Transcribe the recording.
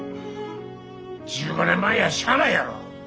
１５年前やしゃあないやろ。